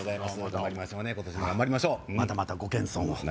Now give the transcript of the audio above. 今年も頑張りましょうまたまたご謙遜を何？